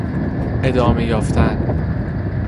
ادامه یافتن